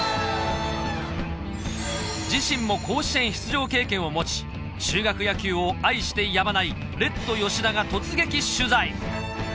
自身も甲子園出場経験を持ち中学野球を愛してやまないレッド吉田が突撃取材